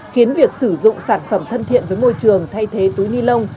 khiến việc sử dụng sản phẩm thân thiện với môi trường thay thế túi ni lông